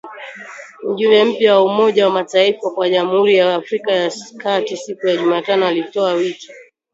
Mjumbe mpya wa Umoja wa mataifa kwa Jamhuri ya Afrika ya kati siku ya Jumatano alitoa wito